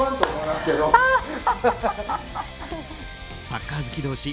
サッカー好き同士